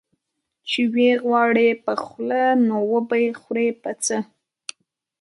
چي وې غواړې په خوله، نو وبې خورې په څه؟